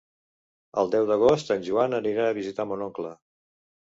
El deu d'agost en Joan anirà a visitar mon oncle.